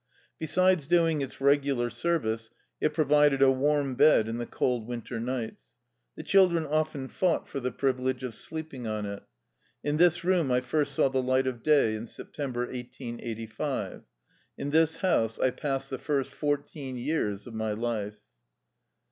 Besides doing its regular service, it provided a warm bed in the cold winter nights. The children often fought for the privilege of sleeping on it. In this room I first saw the light of day in September, 1885. In this house I passed the first fourteen years of my life.